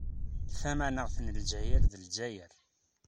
Tamanaɣt n Ledzayer d Ledzayer.